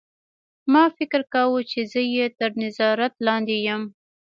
ما فکر کاوه چې زه یې تر نظارت لاندې یم